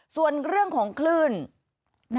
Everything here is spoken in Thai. ส่วนเรื่องของคลื่น